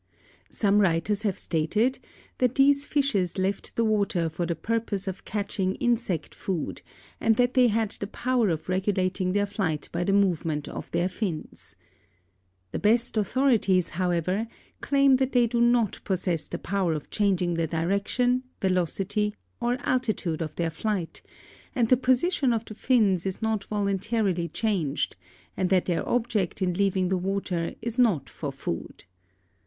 Some writers have stated that these fishes left the water for the purpose of catching insect food and that they had the power of regulating their flight by the movement of their fins. The best authorities, however, claim that they do not possess the power of changing the direction, velocity, or altitude of their flight and the position of the fins is not voluntarily changed, and that their object in leaving the water is not for food.